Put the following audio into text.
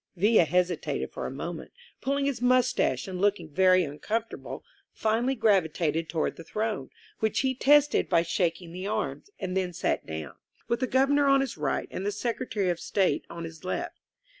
ViUa hesitated for a minute, puUing his mustache and looking very uncomfortable, finally gravitated to ward the throne, which he tested by shaking the arms, and then sat down, with the Governor on his right and the Secretary of State on his left.